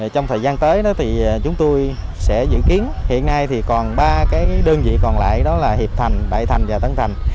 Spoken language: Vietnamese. trong thời gian tới thì chúng tôi sẽ dự kiến hiện nay thì còn ba cái đơn vị còn lại đó là hiệp thành đại thành và tân thành